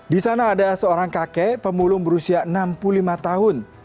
di sana ada seorang kakek pemulung berusia enam puluh lima tahun